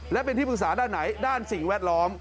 และเป็นที่ปรึกษาด้านไหนด้านสิ่งแวดล้อม